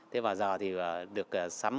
thế vào giờ thì được sắm